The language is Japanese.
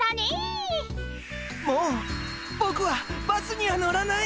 もうボクはバスには乗らない。